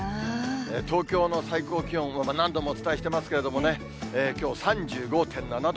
東京の最高気温、何度もお伝えしていますけれどもね、きょう、３５．７度。